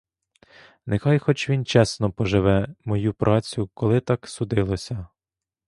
Нехай хоч він чесно поживе мою працю, коли так судилося!